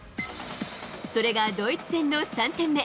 それがドイツ戦の３点目。